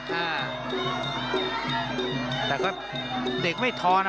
แต่ก็เด็กไม่ทอนะ